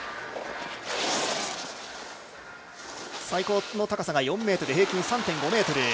最高の高さが４ｍで平均３．５ｍ。